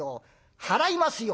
払いますよ！